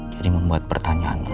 jadi membuat pertanyaan